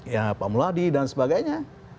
ya pak muladi dan sebagainya